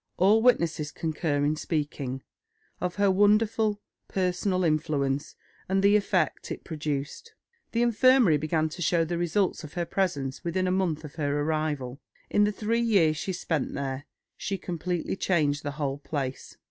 All witnesses concur in speaking of her wonderful personal influence and the effect it produced. The infirmary began to show the results of her presence within a month of her arrival. In the three years she spent there, she completely changed the whole place.